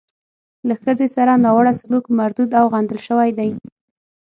له ښځې سره ناوړه سلوک مردود او غندل شوی دی.